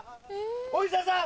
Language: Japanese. お医者さん